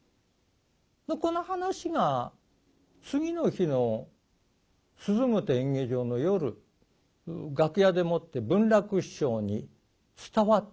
この話が次の日の鈴本演芸場の夜楽屋でもって文楽師匠に伝わってたんですね。